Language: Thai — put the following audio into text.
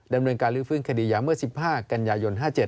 ดำเนินการลื้อฟื้นคดียาเมื่อ๑๕กันยายน๕๗